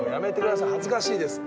恥ずかしいですって。